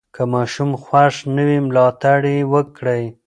که ماشوم خوښ نه وي، ملاتړ یې وکړئ.